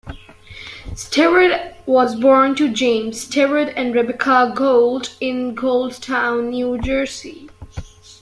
Steward was born to James Steward and Rebecca Gould in Gouldtown, New Jersey.